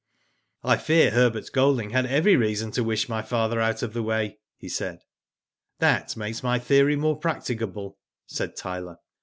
" I fear Herbert Golding had every reason to wish my father out of the way," he said. ''That makes my theory more practicable," said Tyler.